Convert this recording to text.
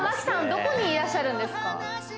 どこにいらっしゃるんですか？